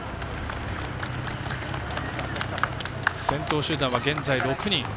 先頭集団は現在６人。